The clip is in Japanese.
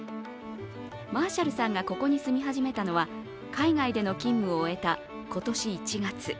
マーシャルさんがここに住み始めたのは海外での勤務を終えた今年１月。